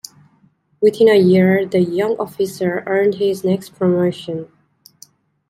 Within a year the young officer earned his next promotion.